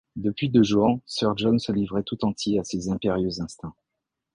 Depuis deux jours, sir John se livrait tout entier à ses impérieux instincts.